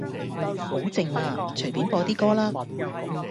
好靜呀，隨便播啲歌啦